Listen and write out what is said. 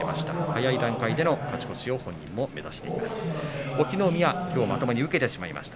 早い段階での勝ち越しを本人も目指しています。